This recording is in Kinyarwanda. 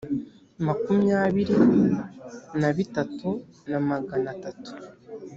makumyabiri na bitatu na magana atatu